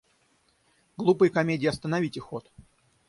Глупой комедии остановите ход!